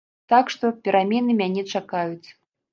Так што, перамены мяне чакаюць.